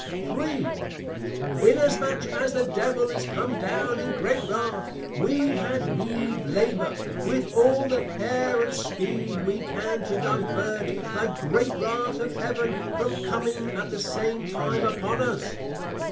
_ Inasmuch as the Devil is come down in Great Wrath, we had need Labour, with all the Care and Speed we can to Divert the Great Wrath of Heaven from coming at the same time upon us.